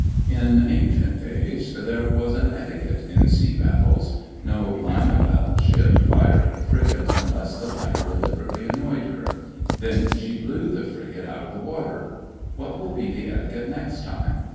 In ancient days there was an etiquette in sea battles. No line of battle ship fired at a frigate unless the latter deliberately annoyed her. Then she blew the frigate out of the water. What will be the etiquette next time?